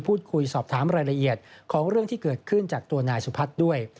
พูดคุยสอบถามรายละเอียดของเรื่องที่เกิดขึ้นจากตัวนายสุพัฒน์ด้วย